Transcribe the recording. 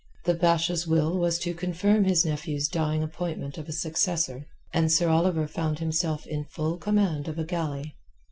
The Basha's will was to confirm his nephew's dying appointment of a successor, and Sir Oliver found himself in full command of a galley.